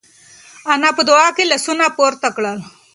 انا په دعا کې لاسونه پورته کړل.